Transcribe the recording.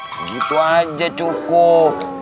segitu aja cukup